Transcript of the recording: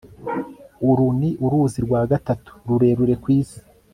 uru ni uruzi rwa gatatu rurerure kwisi